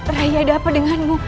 rai ada apa denganmu